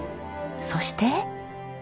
そして。